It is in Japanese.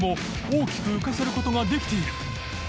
潺襯大きく浮かせることができている禳埜